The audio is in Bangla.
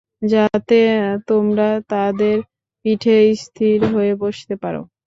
যাতে তোমরা তাদের পিঠে স্থির হয়ে বসতে পার।